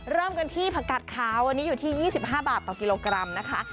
เริ่มกันที่ผักกัดขาววันนี้อยู่ที่๒๕บาทต่อกิโลกรัมนะคะ